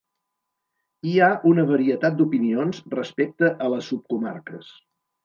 Hi ha una varietat d'opinions respecte a les subcomarques.